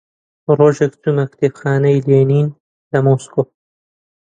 ڕۆژێک چوومە کتێبخانەی لێنین لە مۆسکۆ